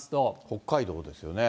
北海道ですよね。